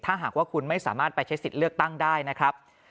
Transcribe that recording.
ถ้าหากว่าคุณไม่สามารถไปใช้สิทธิ์เลือกตั้งได้นะครับ